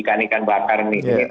ikan ikan bakar nih